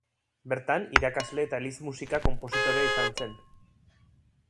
Bertan irakasle eta eliz musika konpositorea izan zen.